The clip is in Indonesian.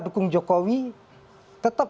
dukung jokowi tetap